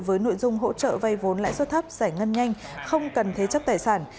với nội dung hỗ trợ vay vốn lãi suất thấp giải ngân nhanh không cần thế chấp tài sản